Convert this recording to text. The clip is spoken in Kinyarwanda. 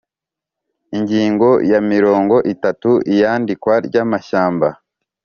Ingingo ya mirongo itatu Iyandikwa ry amashyamba